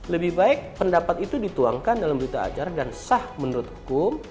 lebih baik pendapat itu dituangkan dalam berita ajar dan sah menurut hukum